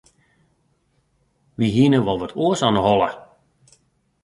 Wy hiene wol wat oars oan 'e holle.